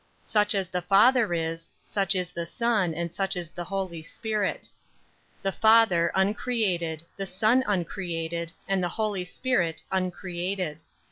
7. Such as the Father is, such is the Son, and such is the Holy Spirit. 8. The Father uncreated, the Son uncreated, and the Holy Spirit uncreated.